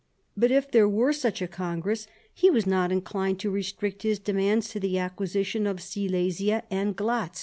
But if there were such a congress, he was not inclined to restrict his demands to the acquisition of Silesia and Glatz.